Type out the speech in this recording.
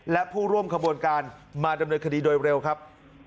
และผู้ร่วมขบวนการมาดำเนินคดีโดยเร็วครับ